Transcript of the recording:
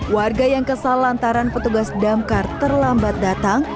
warga yang kesal lantaran petugas damkar terlambat datang